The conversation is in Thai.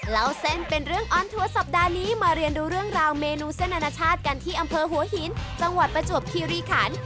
เล่าเส้นเป็นเรื่องออนทัวร์สัปดาห์นี้มาเรียนดูเรื่องราวเมนูเส้นอนาชาติกันที่อำเภอหัวหินจังหวัดประจวบคีรีขัน